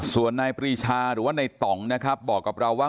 ส่วนนายปรีชาหรือว่าในต่องนะครับบอกกับเราว่า